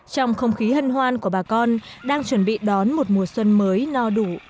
trong không khí hân hoan của bà con đang chuẩn bị đón một mùa xuân mới no đủ